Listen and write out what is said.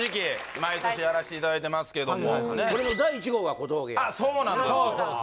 毎年やらしていただいてますけどもこれの第１号が小峠やったもんねあっそうなんですよ